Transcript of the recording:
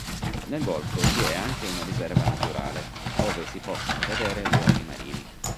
Nel golfo vi è anche una riserva naturale ove si possono vedere leoni marini.